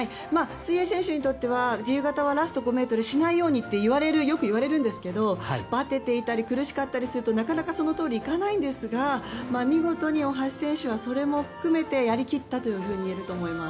水泳選手にとって自由形はラスト５ｍしないようにとよく言われるんですがばてていたり苦しかったりするとなかなかそのとおりにいかないんですが見事に大橋選手、それも含めてやり切ったといえると思います。